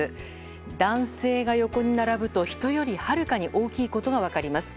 男性が横に並ぶと、人よりはるかに大きいことが分かります。